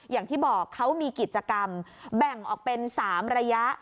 อย่างที่บอกเขามีกิจกรรมแบ่งออกเป็น๓ระยะ